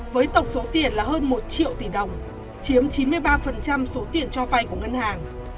với tổng số tiền là hơn một triệu tỷ đồng chiếm chín mươi ba số tiền cho vay của ngân hàng